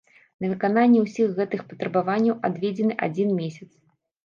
На выкананне ўсіх гэтых патрабаванняў адведзены адзін месяц.